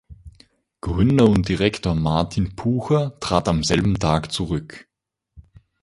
Gründer und Direktor Martin Pucher trat am selben Tag zurück.